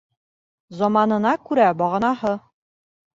Заманына күрә бағанаһы.